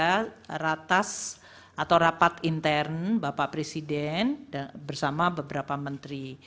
ada ratas atau rapat intern bapak presiden bersama beberapa menteri